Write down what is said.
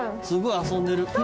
すごい遊んでる。